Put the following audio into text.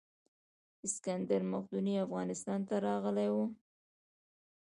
اسکندر مقدوني افغانستان ته راغلی و